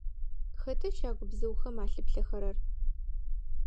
Хэта щагубзыухэм алъыплъэхэрэр?